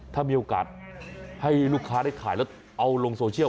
ถ้ามีโอกาสให้ลูกค้าได้ถ่ายแล้วเอาลงโซเชียล